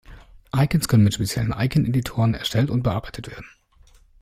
Icons können mit speziellen Icon-Editoren erstellt und bearbeitet werden.